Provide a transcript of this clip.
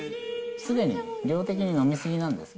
すでに量的に飲み過ぎなんです。